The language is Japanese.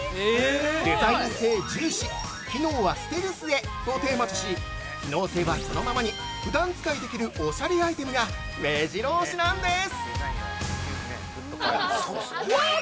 デザイン性重視、機能はステルスへをテーマとし、機能性はそのままにふだん使いできるおしゃれアイテムが、めじろ押しなんです。